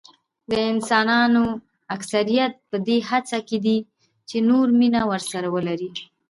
د انسانانو اکثریت په دې هڅه کې دي چې نور مینه ورسره ولري.